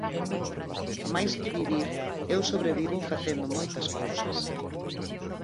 Máis que vivir, eu sobrevivo facendo moitas cousas.